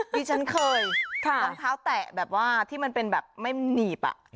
ดิฉันเคยรองเท้าแตะแบบว่าที่มันเป็นแบบไม่หนีบ